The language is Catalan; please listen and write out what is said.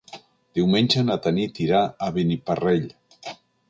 Diumenge na Tanit irà a Beniparrell.